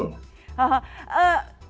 pastikan di malam malam ini